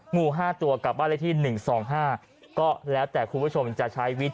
งูห้าตัวกับว่าได้ที่หนึ่งสองห้าก็แล้วแต่คุณผู้ชมจะใช้วิทย์